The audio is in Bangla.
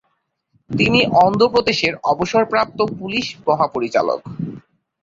তিনি অন্ধ্র প্রদেশের অবসরপ্রাপ্ত পুলিশ মহাপরিচালক।